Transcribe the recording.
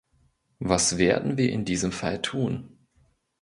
Was werden wir in diesem Fall tun?